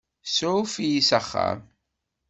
Tsuɛef-iyi s axxam.